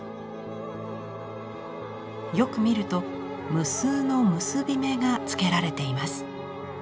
よく見ると無数の結び目がつけられています。